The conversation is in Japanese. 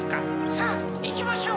さあ行きましょう。